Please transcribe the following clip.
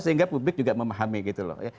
sehingga publik juga memahami gitu loh ya